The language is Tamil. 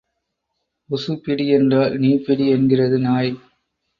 உசு பிடி என்றால் நீ பிடி என்கிறது நாய்.